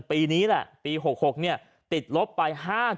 ปีนี้แหละปี๖๖ติดลบไป๕๗